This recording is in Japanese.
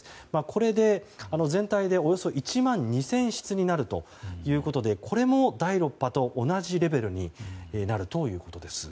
これで全体でおよそ１万２０００室になるということでこれも第６波と同じレベルになるということです。